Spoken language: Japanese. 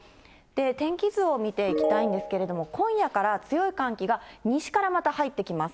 天気図を見ていきたいんですけれども、今夜から強い寒気が西からまた入ってきます。